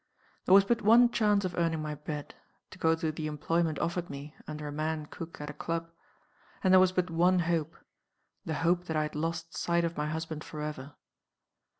"There was but one chance of earning my bread to go to the employment offered me (under a man cook, at a club). And there was but one hope the hope that I had lost sight of my husband forever.